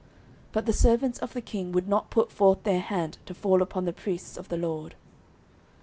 But the servants of the king would not put forth their hand to fall upon the priests of the LORD.